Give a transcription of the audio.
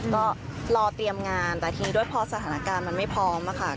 ก็รอเตรียมงานแต่ทีนี้ด้วยพอสถานการณ์มันไม่พร้อมค่ะ